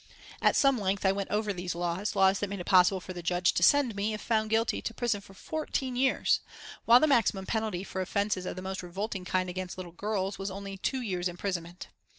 At some length I went over these laws, laws that made it possible for the Judge to send me, if found guilty, to prison for fourteen years, while the maximum penalty for offences of the most revolting kind against little girls was only two years' imprisonment.